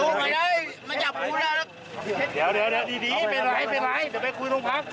เดี๋ยวดีเป็นอะไรไปคุยน้องภาษณ์